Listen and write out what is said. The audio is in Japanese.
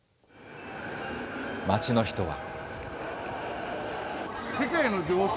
街の人は。